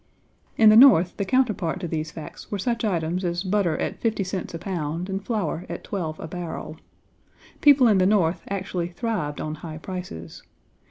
In the North the counterpart to these facts were such items as butter at 50 cents a pound and flour at 12 a barrel. People in the North actually thrived on high prices.